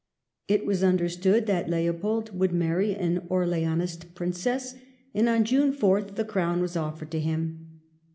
It was underetood that Leopold would marry an Orleanist Princess, and on June 4th the Crown was offered to him.